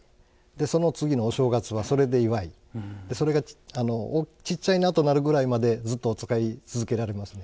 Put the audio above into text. その次のお正月はそれで祝いそれがちっちゃいなとなるぐらいまでずっとお使い続けられますね。